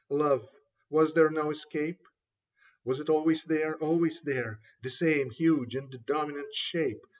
Love — ^was there no escape ? Was it always there, always there ? The same huge and dominant shape.